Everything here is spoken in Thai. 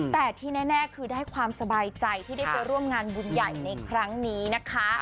แต่ที่แน่คือได้ความสบายใจที่ได้ไปร่วมงานบุญใหญ่ในครั้งนี้นะคะ